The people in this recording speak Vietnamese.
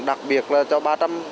đặc biệt là cho ba trăm linh người